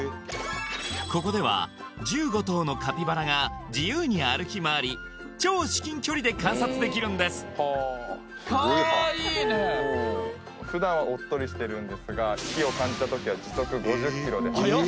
ここでは１５頭のカピバラが自由に歩き回り超至近距離で観察できるんです普段はおっとりしてるんですが・速っ５０ｋｍ？